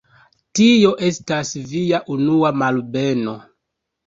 Tio estas Via unua malbeno.